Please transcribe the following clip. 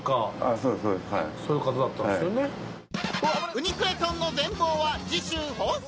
「ウニクレソン」の全貌は次週放送！